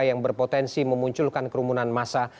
yang berpotensi memunculkan kerumunan masa